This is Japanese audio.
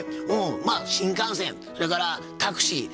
まあ新幹線それからタクシーヘリコプター。